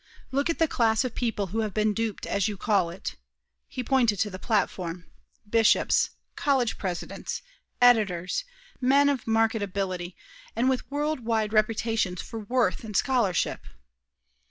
Look at the class of people who have been duped, as you call it." He pointed to the platform. "Bishops, college presidents, editors, men of marked ability and with world wide reputation for worth and scholarship."